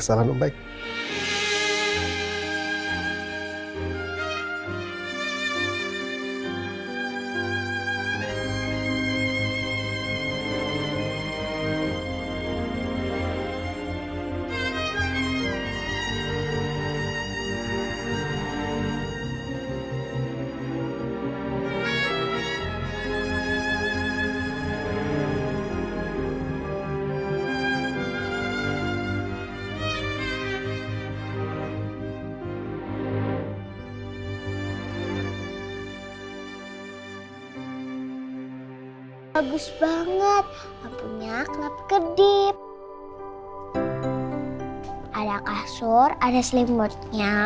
mama andin juga ngajarin kalo rena